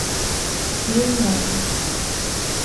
Pio Nono